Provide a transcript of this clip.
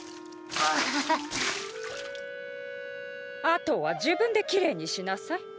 あとは自分でキレイにしなさい。